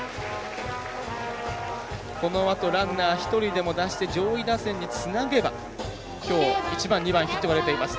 このあとランナー１人でも出して上位打線につなげばきょう、１番、２番ヒットが出ています